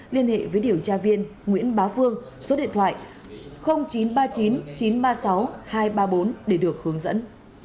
liên hệ với điều tra viên nguyễn bá phương số điện thoại chín trăm ba mươi chín chín trăm ba mươi sáu hai trăm ba mươi bốn để được hướng dẫn